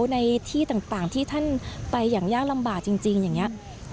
ในที่ต่างที่ท่านไปอย่างยากลำบากจริงอย่างนี้